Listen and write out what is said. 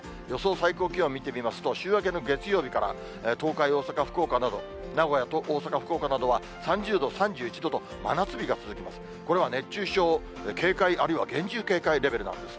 最高気温見てみますと、週明けの月曜日から、東海、大阪、福岡など、名古屋と大阪、福岡などは３０度、３１度と、真夏日が続きます。